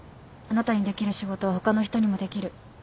あなたにできる仕事は他の人にもできる。